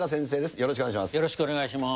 よろしくお願いします。